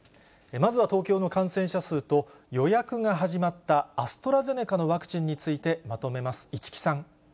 まずは東京の感染者数と、予約が始まったアストラゼネカのワクチンについてまとめます。